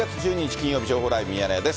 金曜日、情報ライブミヤネ屋です。